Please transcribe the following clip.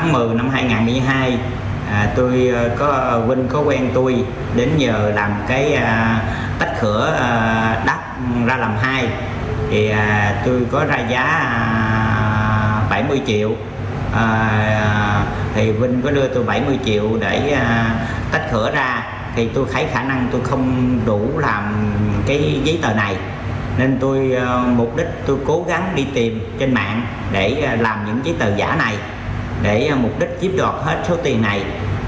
mục đích tôi cố gắng đi tìm trên mạng để làm những giấy tờ giả này để mục đích chiếm đoạt hết số tiền này